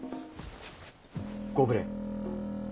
ご無礼。